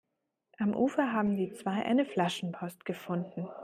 Am Ufer haben die zwei eine Flaschenpost gefunden.